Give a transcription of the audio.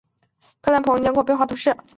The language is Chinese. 科隆贝莱塞克人口变化图示